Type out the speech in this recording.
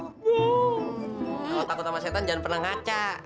kalau takut sama setan jangan pernah ngacak